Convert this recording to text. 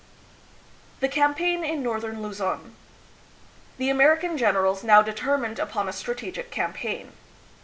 The Campaign in Northern Luzon. The American generals now determined upon a strategic campaign.